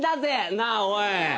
なあおい。